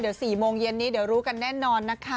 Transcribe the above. เดี๋ยว๔โมงเย็นนี้เดี๋ยวรู้กันแน่นอนนะคะ